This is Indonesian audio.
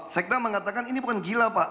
sekda mengatakan ini bukan gila pak